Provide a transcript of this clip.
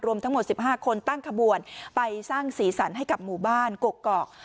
ทั้งหมด๑๕คนตั้งขบวนไปสร้างสีสันให้กับหมู่บ้านกกอก